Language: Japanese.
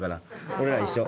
俺ら一緒。